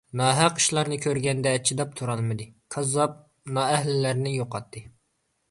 ناھەق ئىشلارنى كۆرگەندە چىداپ تۇرالمىدى، كاززاپ، نائەھلىلەرنى يوقاتتى.